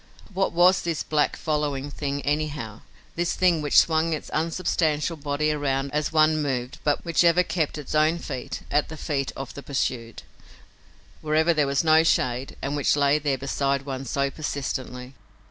What was this black, following thing, anyhow, this thing which swung its unsubstantial body around as one moved but which ever kept its own feet at the feet of the pursued, wherever there was no shade, and which lay there beside one so persistently?